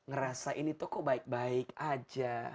ngerasa ini tuh kok baik baik aja